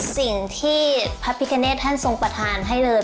สิ่งที่พระพิกเนธท่านทรงประธานให้เลย